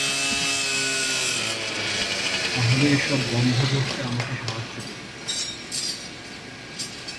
তাহলে এসব বন্ধ করতে আমাকে সাহায্য করুন।